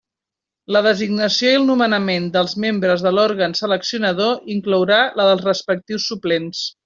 La designació i el nomenament dels membres de l'òrgan seleccionador inclourà la dels respectius suplents.